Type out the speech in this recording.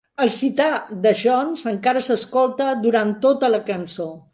El sitar de Jones encara s'escolta durant tota la cançó.